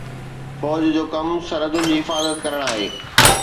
فوج جو ڪم سرحدن جي حفاظت ڪرڻ آهي